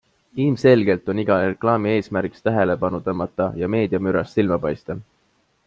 Ilmselgelt on iga reklaami eesmärgiks tähelepanu tõmmata ja meediamürast silma paista.